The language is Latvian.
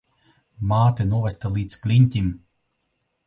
Māte novesta līdz kliņķim.